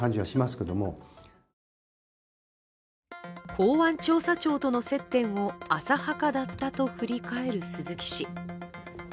公安調査庁との接点を、浅はかだったと振り返る鈴木氏。